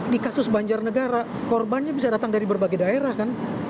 di kasus banjarnegara korbannya bisa datang dari berbagai daerah kan